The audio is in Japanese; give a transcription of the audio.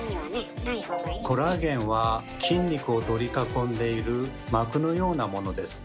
コラーゲンは筋肉を取り囲んでいる膜のようなものです。